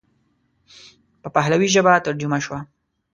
په پهلوي ژبه ترجمه شوه.